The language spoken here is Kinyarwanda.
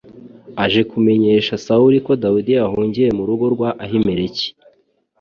aje kumenyesha Sawuli ko Dawudi yahungiye mu rugo rwa Ahimeleki